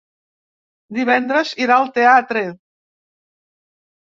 Divendres irà al teatre.